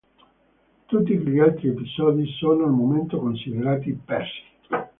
Tutti gli altri episodi sono al momento considerati persi.